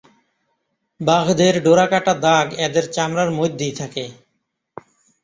বাঘ দের ডোরাকাটা দাগ এদের চামড়ার মধ্যেই থাকে।